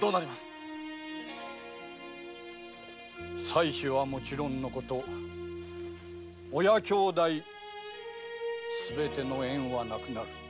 妻子はもちろん親兄弟すべての縁はなくなる。